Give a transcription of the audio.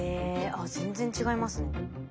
あっ全然違いますね。